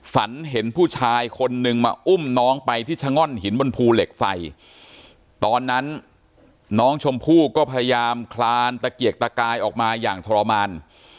ฝันเห็นผู้ชายคนนึงมาอุ้มน้องไปที่ชะง่อนหินบนภูเหล็กไฟตอนนั้นน้องชมพู่ก็พยายามคลานตะเกียกตะกายออกมาอย่างทรมาน